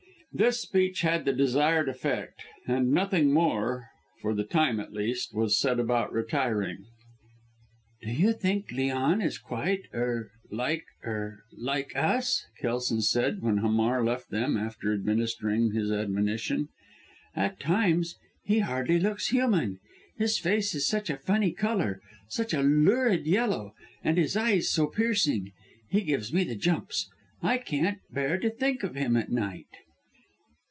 This speech had the desired effect, and nothing more for the time at least was said about retiring. "Do you think Leon is quite er like er like us?" Kelson said, when Hamar left them, after administering his admonition. "At times he hardly looks human. His face is such a funny colour, such a lurid yellow, and his eyes, so piercing! He gives me the jumps! I can't bear to think of him at night!"